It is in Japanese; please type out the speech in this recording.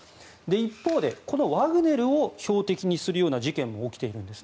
一方でこのワグネルを標的にするような事件も起きているんです。